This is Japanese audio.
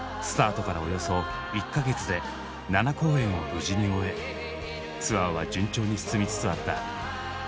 スタートからおよそ１か月で７公演を無事に終えツアーは順調に進みつつあった。